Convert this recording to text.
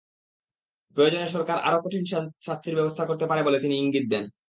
প্রয়োজনে সরকার আরও কঠিন শাস্তির ব্যবস্থা করতে পারে বলে তিনি ইঙ্গিত দেন।